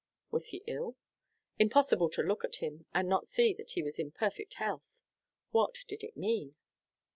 Was he ill? Impossible to look at him, and not see that he was in perfect health. What did it mean?